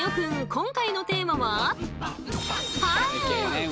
今回のテーマは「パン」。